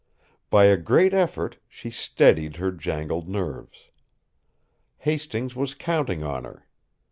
By a great effort, she steadied her jangled nerves. Hastings was counting on her.